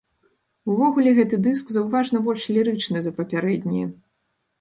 Увогуле гэты дыск заўважна больш лірычны за папярэднія.